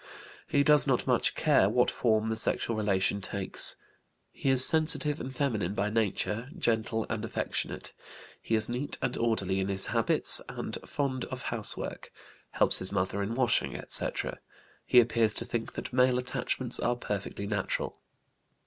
He does not much care what form the sexual relation takes. He is sensitive and feminine by nature, gentle, and affectionate. He is neat and orderly in his habits, and fond of housework; helps his mother in washing, etc. He appears to think that male attachments are perfectly natural.